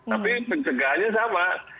tapi pencegahannya sama